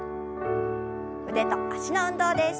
腕と脚の運動です。